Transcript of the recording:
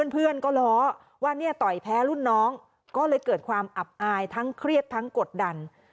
เพื่อนก็ล้อว่าเนี่ยต่อยแพ้รุ่นน้องก็เลยเกิดความอับอายทั้งเครียดทั้งกดดัน